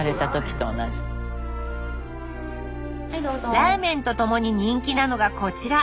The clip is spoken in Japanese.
ラーメンと共に人気なのがこちら！